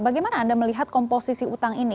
bagaimana anda melihat komposisi utang ini